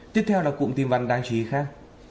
tiếp theo là cụm tìm văn đáng chí khác